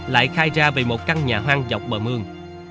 lại khai ra về một căn nhà hoang dọc bờ mương